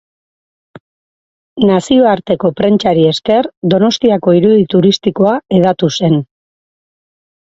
Nazioarteko prentsari esker Donostiako irudi turistikoa hedatu zen.